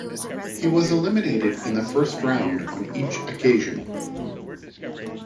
He was eliminated in the first round on each occasion.